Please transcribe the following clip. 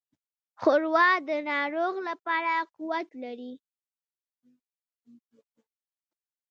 ښوروا د ناروغ لپاره قوت لري.